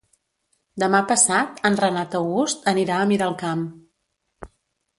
Demà passat en Renat August anirà a Miralcamp.